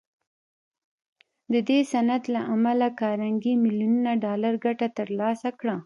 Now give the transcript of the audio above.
د دې صنعت له امله کارنګي ميليونونه ډالر ګټه تر لاسه کړه.